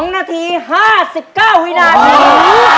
๒นาที๕๙วินาที